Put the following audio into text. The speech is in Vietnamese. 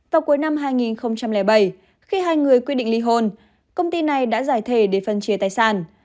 vào cuối năm hai nghìn bảy khi hai người quy định ly hôn công ty này đã giải thể để phân chia tài sản